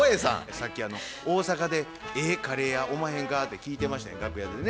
さっき「大阪でええカレー屋おまへんか？」って聞いてましたね楽屋でね。